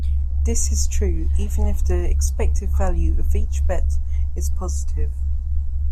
This is true even if the expected value of each bet is positive.